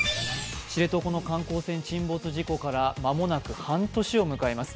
知床の観光船沈没事故から間もなく半年を迎えます。